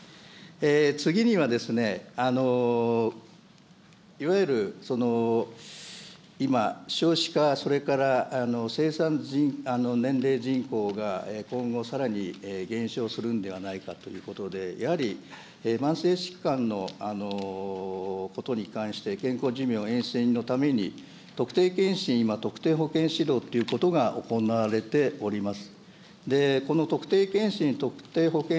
次にはですね、いわゆる今、少子化、それから生産年齢人口が、今後さらに減少するんではないかということで、やはり慢性疾患のことに関して、健康寿命延伸のために、特定健診、特定保健指導が行われております。